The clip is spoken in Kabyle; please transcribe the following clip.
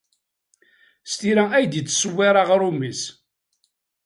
S tira ay d-yettṣewwir aɣrum-nnes.